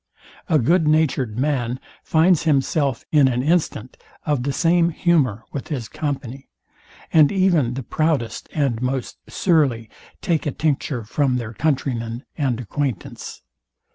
A good natured man finds himself in an instant of the same humour with his company; and even the proudest and most surly take a tincture from their countrymen and acquaintance.